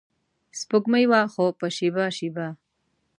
سپوږمۍ وه خو په شیبه شیبه